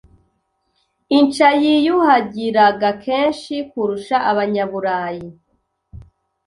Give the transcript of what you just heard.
Inca yiyuhagiraga kenshi kurusha Abanyaburayi.